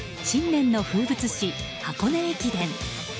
新年の風物詩、箱根駅伝。